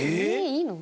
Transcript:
いいの？